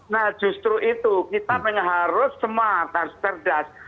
nah justru itu kita harus smart harus cerdas